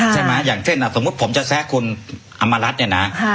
ใช่ไหมอย่างเช่นอ่ะสมมุติผมจะแซะคุณอำรัสเนี้ยน่ะฮ่า